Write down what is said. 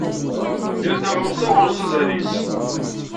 Yal taɣawsa ɣer-s azal-is.